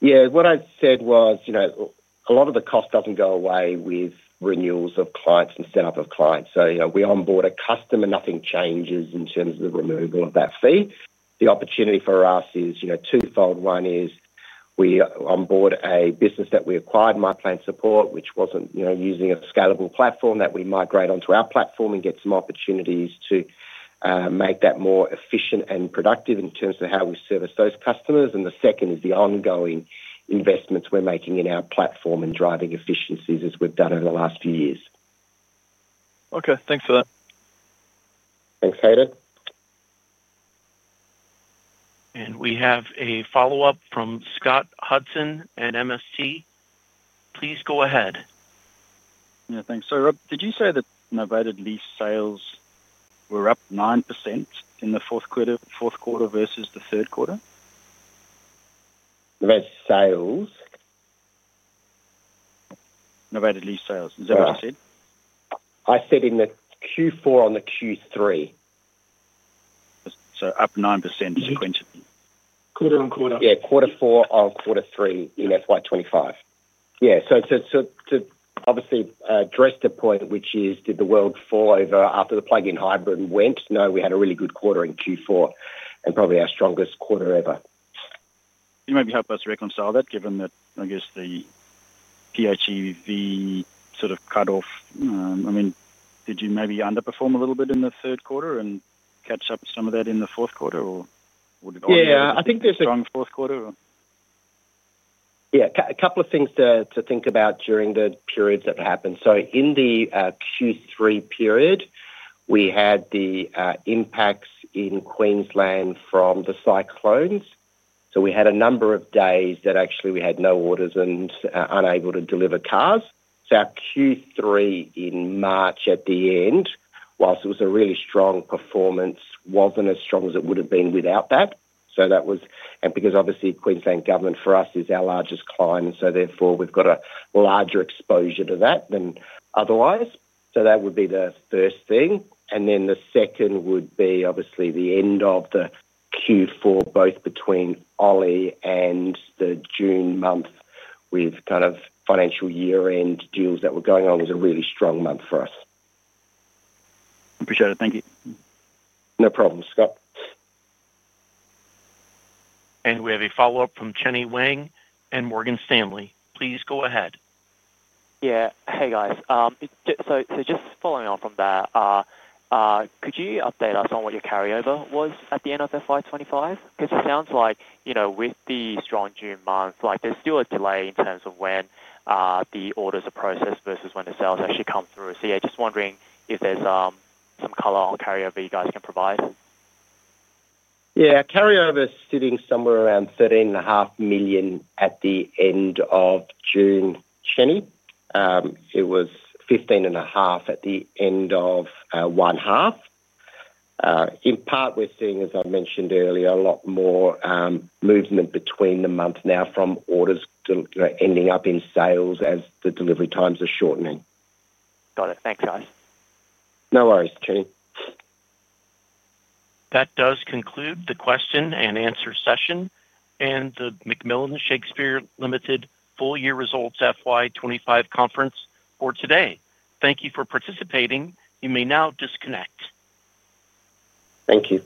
[SPEAKER 3] Yeah, what I said was, you know, a lot of the cost doesn't go away with renewals of clients and setup of clients. You know, we onboard a customer and nothing changes in terms of the removal of that fee. The opportunity for us is, you know, twofold. One is we onboard a business that we acquired, MyPlan Supports, which wasn't, you know, using a scalable platform that we migrate onto our platform and get some opportunities to make that more efficient and productive in terms of how we service those customers. The second is the ongoing investments we're making in our platform and driving efficiencies as we've done over the last few years.
[SPEAKER 8] Okay, thanks for that.
[SPEAKER 3] Thanks, Hayden.
[SPEAKER 1] We have a follow-up from Scott Hudson at MST. Please go ahead.
[SPEAKER 6] Thanks. Rob, did you say that novated lease sales were up 9% in the fourth quarter versus the third quarter?
[SPEAKER 3] Novated sales?
[SPEAKER 6] Novated lease sales. Is that what you said?
[SPEAKER 3] I said in the Q4 on the Q3.
[SPEAKER 6] Up 9% sequentially.
[SPEAKER 2] Quarter-on-quarter.
[SPEAKER 3] Yeah, quarter four-on-quarter three in FY2025. To obviously address the point, which is, did the world fall over after the plug-in hybrid went? No, we had a really good quarter in Q4 and probably our strongest quarter ever.
[SPEAKER 6] you maybe help us reconcile that given that, I guess, the PHEV sort of cut off? I mean, did you maybe underperform a little bit in the third quarter and catch up some of that in the fourth quarter, or would it be a strong fourth quarter?
[SPEAKER 3] Yeah, a couple of things to think about during the periods that happened. In the Q3 period, we had the impacts in Queensland from the cyclones. We had a number of days that actually we had no orders and were unable to deliver cars. Our Q3 in March at the end, whilst it was a really strong performance, wasn't as strong as it would have been without that. That was, and because obviously Queensland government for us is our largest client, we've got a larger exposure to that than otherwise. That would be the first thing. The second would be obviously the end of the Q4, both between OLI and the June month with kind of financial year-end deals that were going on, was a really strong month for us.
[SPEAKER 6] Appreciate it. Thank you.
[SPEAKER 3] No problem, Scott.
[SPEAKER 1] We have a follow-up from Chenny Wang and Morgan Stanley. Please go ahead.
[SPEAKER 7] Yeah, hey guys. Just following on from that, could you update us on what your carryover was at the end of FY2025? It sounds like, you know, with the strong June month, there's still a delay in terms of when the orders are processed versus when the sales actually come through. Just wondering if there's some color on carryover you guys can provide.
[SPEAKER 3] Yeah, carryover is sitting somewhere around $13.5 million at the end of June, Chenny. It was $15.5 million at the end of one half. In part, we're seeing, as I mentioned earlier, a lot more movement between the month now from orders ending up in sales as the delivery times are shortening.
[SPEAKER 7] Got it. Thanks, guys.
[SPEAKER 3] No worries, Chenny.
[SPEAKER 1] That does conclude the question-and-answer session and the McMillan Shakespeare Limited Full Year Results FY2025 Conference for today. Thank you for participating. You may now disconnect.
[SPEAKER 3] Thank you.